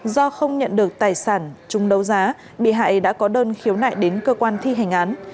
do không nhận được tài sản chung đấu giá bị hại đã có đơn khiếu nại đến cơ quan thi hành án